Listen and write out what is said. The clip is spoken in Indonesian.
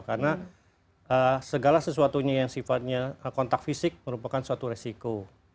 karena segala sesuatunya yang sifatnya kontak fisik merupakan suatu resiko